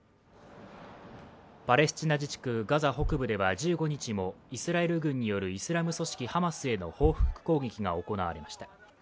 パレスチナ自治区ガザ北部では１５日もイスラエル軍によるイスラム組織ハマスへの報復攻撃が行われました。